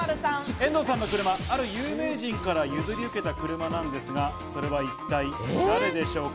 遠藤さんの車、ある有名人から譲り受けた車なんですが、それは一体誰でしょうか？